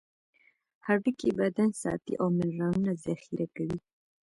هډوکي بدن ساتي او منرالونه ذخیره کوي.